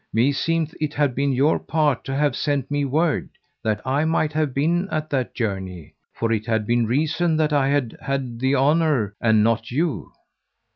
meseemeth it had been your part to have sent me word, that I might have been at that journey, for it had been reason that I had had the honour and not you.